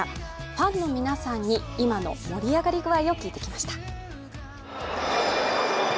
ファンの皆さんに今の盛り上がり具合を聞いてきました。